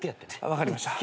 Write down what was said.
分かりました。